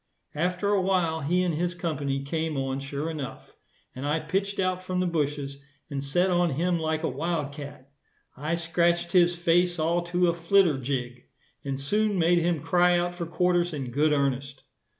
After a while he and his company came on sure enough, and I pitched out from the bushes and set on him like a wild cat. I scratched his face all to a flitter jig, and soon made him cry out for quarters in good earnest.